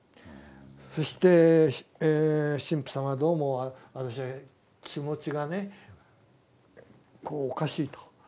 そして「神父様どうも私気持ちがねこうおかしい」と。